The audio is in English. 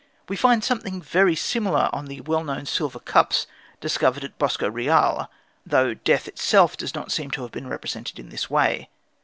We find something very similar on the well known silver cups discovered at Bosco Reale, though Death itself does not seem to have been represented in this way.